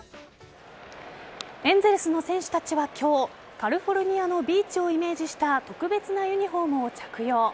エンゼルスの選手たちは今日カリフォルニアのビーチをイメージした特別なユニホームを着用。